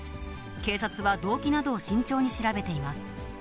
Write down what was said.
警察は、動機などを慎重に調べています。